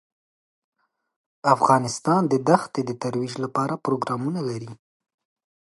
افغانستان د دښتې د ترویج لپاره پروګرامونه لري.